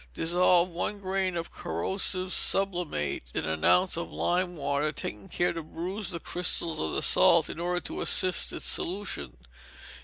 Dissolve one grain of corrosive sublimate in an ounce of lime water, taking care to bruise the crystals of the salt in order to assist its solution.